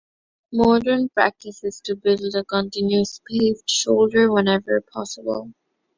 Modern practice is to build a continuous paved shoulder whenever possible.